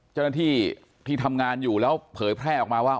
เจ้าหน้าที่ที่ทำงานอยู่แล้วเผยแพร่ออกมาว่า